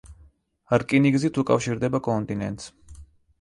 რკინიგზით უკავშირდება კონტინენტს.